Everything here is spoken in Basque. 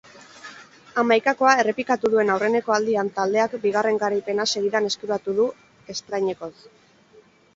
Hamaikakoa errepikatu duen aurreneko aldian taldeak bigarren garaipena segidan eskuratu du estrainekoz.